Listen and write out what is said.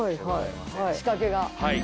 仕掛けが。